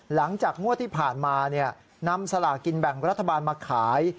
หลังจากงวดที่ผ่านมานำสลากินแบ่งรัฐบาลมาขาย